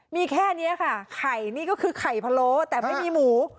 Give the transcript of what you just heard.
มีแค่นี้ค่ะไข่นี่ก็คือไข่พะโล้แต่ไม่มีหมู